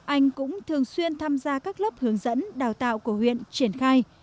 anh cũng thường xuyên tham gia các lớp hướng dẫn đào tạo của huyện triển khai